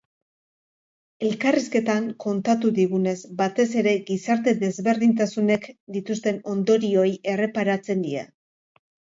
Elkarrizketan kontatu digunez, batez ere gizarte-desberdintasunek dituzten ondorioei erreparatzen die.